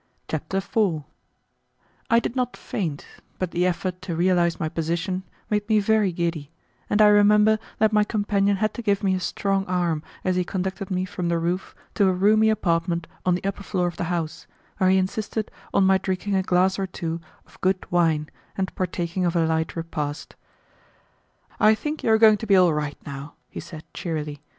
Chapter 4 I did not faint, but the effort to realize my position made me very giddy, and I remember that my companion had to give me a strong arm as he conducted me from the roof to a roomy apartment on the upper floor of the house, where he insisted on my drinking a glass or two of good wine and partaking of a light repast. "I think you are going to be all right now," he said cheerily.